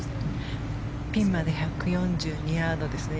ピンまで１４２ヤードですね